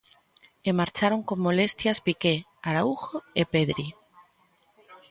E marcharon con molestias Piqué, Araújo e Pedri.